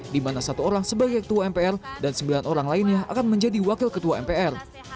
di mana satu orang sebagai ketua mpr dan sembilan orang lainnya akan menjadi wakil ketua mpr